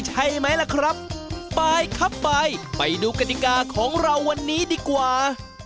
ใช่ไหมล่ะครับไปครับไปไปดูกฎิกาของเราวันนี้ดีกว่า